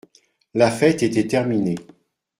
La fête était terminée.